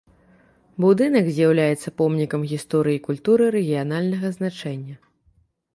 Будынак з'яўляецца помнікам гісторыі і культуры рэгіянальнага значэння.